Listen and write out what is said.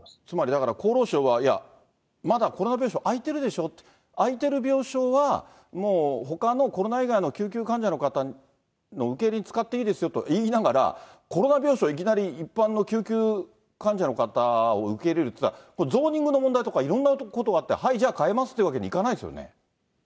つまりだから厚労省は、いや、まだコロナ病床空いてるでしょ、空いてる病床はもうほかのコロナ以外の救急患者の方の受け入れに使っていいですよと言いながら、コロナ病床、いきなり一般の救急患者の方を受け入れるというか、これ、ゾーニングの問題とか、いろんなことがあって、灰、じゃあ、変えますってわけにいかないですよね。